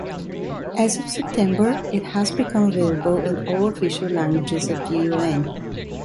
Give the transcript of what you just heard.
As of September, it has become available in all official languages of the UN.